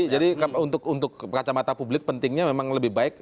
jadi untuk kacamata publik pentingnya memang lebih banyak